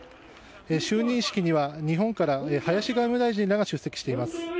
就任式には、日本から林外務大臣らが出席しています。